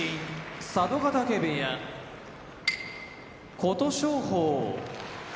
佐渡ヶ嶽部屋琴勝峰